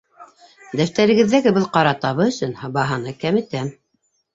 Дәфтәрегеҙҙәге был ҡара табы өсөн баһаны кәметәм